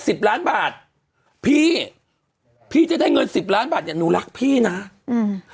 สิบล้านบาทพี่พี่จะได้เงินสิบล้านบาทเนี้ยหนูรักพี่น่ะอืม